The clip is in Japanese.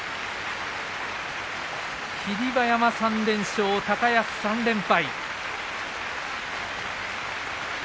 霧馬山３連勝、高安３連敗。